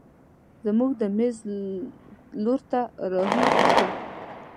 زموږ د مېز لور ته رارهي شوه.